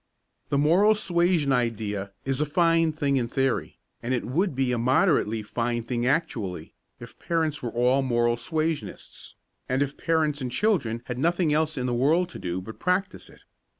The moral suasion idea is a fine thing in theory and it would be a moderately fine thing actually if parents were all moral suasionists, and if parents and children had nothing else in the world to do but practise it.